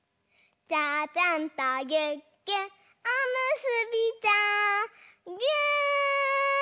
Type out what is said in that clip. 「ちゃちゃんとぎゅっぎゅっおむすびちゃん」ぎゅ！